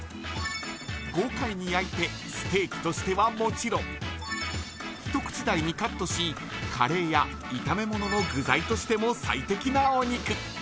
豪快に焼いてステーキとしてはもちろん一口大にカットしカレーや炒め物の具材としても最適なお肉。